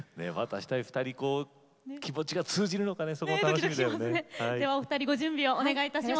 お二人気持ちが通じるのが楽しみですね。